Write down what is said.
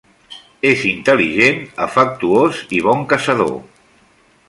És intel·ligent, afectuós i bon caçador.